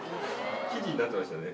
記事になってましたね。